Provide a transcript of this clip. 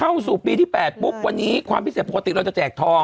เข้าสู่ปีที่๘ปุ๊บวันนี้ความพิเศษปกติเราจะแจกทอง